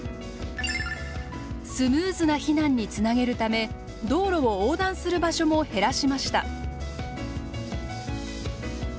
スムーズな避難につなげるため道路を横断する場所も減らしました。